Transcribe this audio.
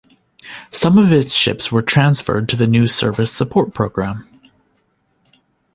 Some of its ships were transferred to the new Service Support program.